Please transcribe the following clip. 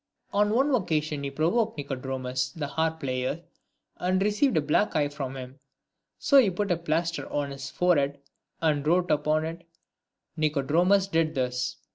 On one occasion he provoked Nicodromus, the harp player, and received a black eye from him ; so he put a plaster on his forehead and wrote upon it, "Nicodromus did this."